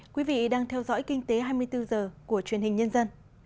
quý vị đang theo dõi kinh tế hai mươi bốn h của truyền hình nhân dân